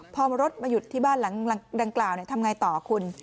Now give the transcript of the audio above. พอรถมาหยุดที่บ้านหลังดังกล่าวทำไงต่อคุณ